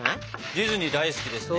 ディズニー大好きですね。